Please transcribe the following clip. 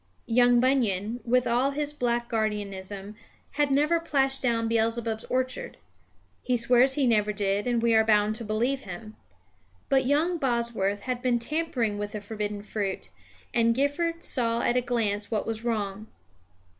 Young Bunyan, with all his blackguardism, had never plashed down Beelzebub's orchard. He swears he never did, and we are bound to believe him. But young Bosworth had been tampering with the forbidden fruit, and Gifford saw at a glance what was wrong.